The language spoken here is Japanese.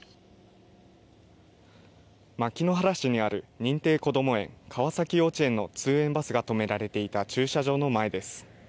牧之原市にある認定こども園、川崎幼稚園の通園バスがとめられていた駐車場の前です。